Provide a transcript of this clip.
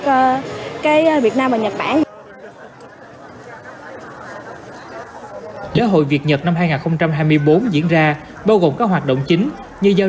cái việt nam và nhật bản giới hội việt nhật năm hai nghìn hai mươi bốn diễn ra bao gồm các hoạt động chính như giao